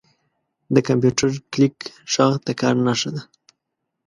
• د کمپیوټر کلیک ږغ د کار نښه ده.